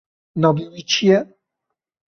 Navê wî çi ye?